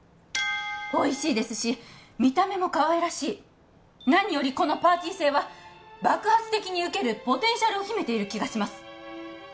おいしいですし見た目もかわいらしい何よりこのパーティー性は爆発的に受けるポテンシャルを秘めている気がします